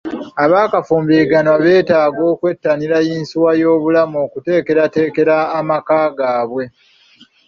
Abaakafumbiriganwa beetaaga okwettanira yinsuwa y'obulamu okuteekateekera amaka gaabwe.